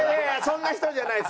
そんな人じゃない。